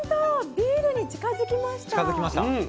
ビールに近づきました。